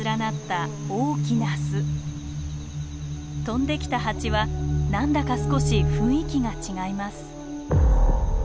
飛んできたハチは何だか少し雰囲気が違います。